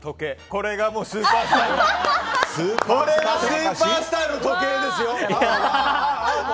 これがスーパースターの時計ですよ！